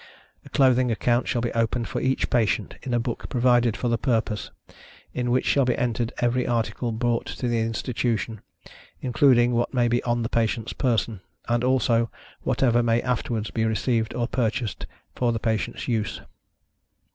A clothing account shall be opened for each patient, in a book provided for the purpose, in which shall be entered every article brought to the Institution, including what may be on the patientâ€™s person, and, also, whatever may afterwards be received or purchased for the patientâ€™s use.